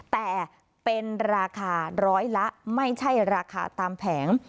แต่เป็นราคาร้อยละไม่ใช่ราคาตามแผง